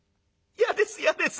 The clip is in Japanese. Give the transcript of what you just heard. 嫌です嫌です。